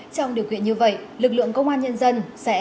trong điều kiện như vậy lực lượng công an nhân dân sẽ